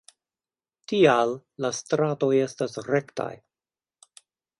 Tial la stratoj estas rektaj.